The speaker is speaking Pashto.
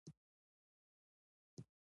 هر ستونزه د حل لار لري.